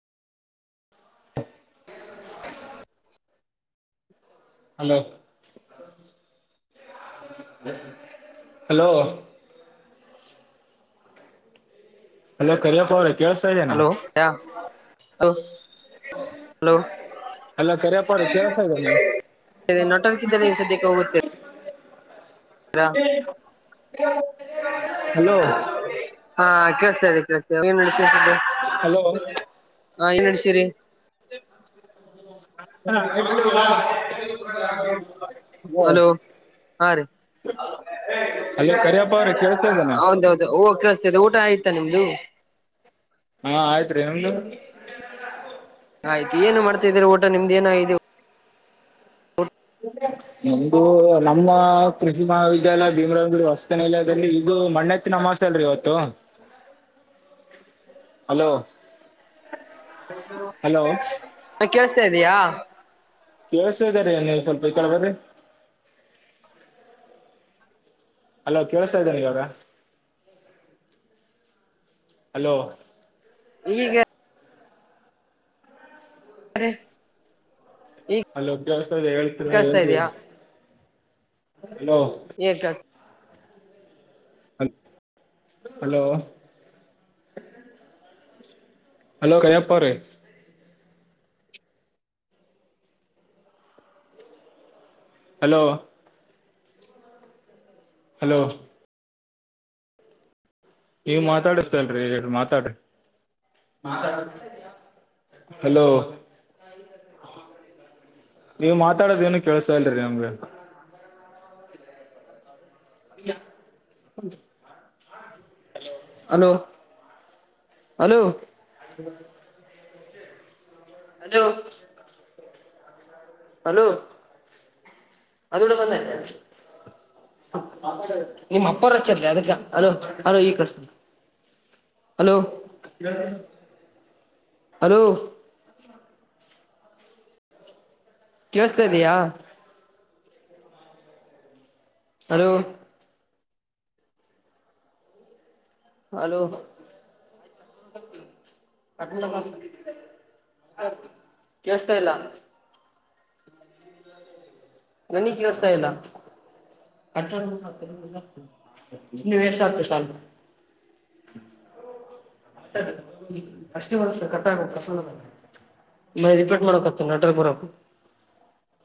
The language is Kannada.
[inaudible] [inaudible] ಹಲೋ ಹಲೋ ಹಲೋ ಕರಿಯಪ್ಪ ಅವರೇ ಕೇಳ್ಸ್ತಾ ಹಲೋ ಯ ಹಲೋ ಹಲೋ ಕರಿಯಪ್ಪ ಅವರೇ ಕೇಳಸ್ತಾ ಇಲ್ವೇನ್ರಿ [unintelligible] ಹೋಗುತ್ತೆ. ಹಲೋ ಹಾ ಕೇಳಸ್ತಾ ಇದೆ ಕೇಳಸ್ತಾ ಇದೆ ಏನ್ ವಿಶೇಷತೆ? ಹಲೋ ಹಾ ಹೇಳ್ ಸಿರಿ [unintelligible] ಹಲೋ ಹಾ ರೀ ಹಲೋ ಕರಿಯಪ್ಪ ಅವ್ರೆ [unintelligible] ಕೇಳಸ್ತಾ ಇದೇನಾ ಹೌದೌದು ಹೂ ಕೇಳ್ತದೆ ಊಟ ಆಯ್ತಾ ನಿಮ್ದು? ಹಾ ಆಯ್ತ್ ರೀ ನಿಮ್ದು? ಆಯ್ತ ಏನು ಮಾಡತಾ ಇದೀರಿ ಊಟ ನಿಮ್ದ್ಏನಗಿದೆ? ನಮ್ದು ನಮ್ಮ ಕೃಷಿ ಮಹಾವಿದ್ಯಾಲಯ ಭೀಮರಂಗ ಹೊಸತನಲದಲ್ಲಿ ಈಗ ಮಣ್ಣೆತ್ತನ ಅಮಾಸೆ ಅಲ್ರಿ ಇವತ್ತು. [unintelligible] ಹಲೋ ಹಲೋ [unintelligible] ಕೇಳಸ್ತಾ ಇದಯಾ? ಕೇಳ್ಸ್ತಾ ಇದೆ ರೀ ನೀವು ಸ್ವಲ್ಪ ಈ ಕಡೆ ಬರ್ರಿ. ಅಲೋ ಕೇೇಳಸ್ತಾ ಇದೆ ಇವಾಗ ಹಲೋ ಈಗ [unintelligible] ಹಲೋ ಕೇಳ್ಸ್ತಾಇದೆ ಹೇಳ್ತಿರ ಕೇಳಿಸ್ತಾ ಹೇಗ್ರಿ ಇದಯಾ ಹಲೋ [unintelligible] [unintelligible] ಹಲೋ ಅಲೋ ಕರಿಯಪ್ಪ ಅವ್ರೆ ಹಲೋ ಹಲೋ ಏ ಮಾತಾಡಸ್ತಲ್ರರಿ ಹೇಳ್ ಮಾತಾಡ್ರಿ ಹಲೋ ನೀವ್ ಮಾತಾಡೋದ್ ಏನು ಕೇಳ್ಸಾ ಇಲ್ರಿ ನಮ್ಗೆ. [inaudible] Hello.. hello. ಅದು ಹಲೋ ಅದೂಡ ಬಂದಲ್ಲೇ ನಿಮ್ಮ್ ಅಪ್ಪರ ರಚರ್ಲಿ ಅದಕ್ಕೆ ಹಲೋ ಹಲೋ ಕರುಸ್ತೀನಿ. ಹಲೋ ಹಲೋ.. ಕೇಳುಸ್ತಾದ್ಯಾ. ಅಲೋ ಹಲೋ ಕೇಳುಸ್ತೈಲ. ನನಿಗ್ ಕೇಳುಸ್ತೈಲ. ಕಂಟ್ರೋತ ನೀವ್ ಎಷ್ಟತಷ್ಟಲ್ [inaudible] ಈ ಅಷ್ಟೇ ಒಂದಷ್ಟ ಕಟ್ಟ ಆಗೆ ಕರ್ಸದ [inaudible] ಮ ರಿಪಟ್ ಮಾಡಕತ್ತತ್ ನಟ್ರ ಬರಕ್